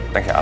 thanks ya al